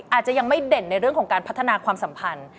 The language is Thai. อาจจะยังไม่เด่นในเรื่องของการพัฒนาความสัมพันธ์